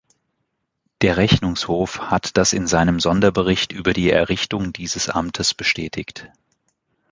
Der Rechnungshof hat das in seinem Sonderbericht über die Errichtung dieses Amtes bestätigt.